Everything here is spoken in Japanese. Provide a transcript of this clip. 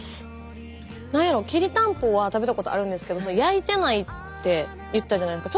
なんやろきりたんぽは食べたことあるんですけど焼いてないって言ってたじゃないですか。